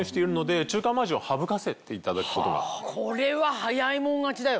これは早い者勝ちだよ。